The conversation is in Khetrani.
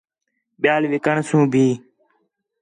ٻِیال وِکݨ سوں بھی